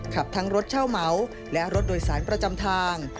ขับทั้งรถเช่าเหมาและรถโดยสารประจำทาง